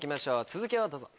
続きをどうぞ。